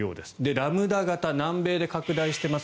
ラムダ型南米で拡大しています。